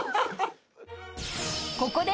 ［ここで］